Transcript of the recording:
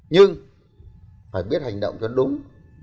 nhưng phải biết hành động cho đúng